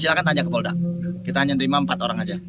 silahkan tanya ke polda kita hanya nerima empat orang saja